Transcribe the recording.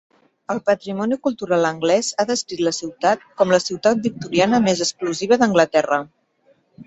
El patrimoni cultural anglès ha descrit la ciutat com la ciutat victoriana més exclusiva d'Anglaterra.